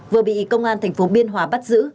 vừa bị công an tp biên hòa bắt giữ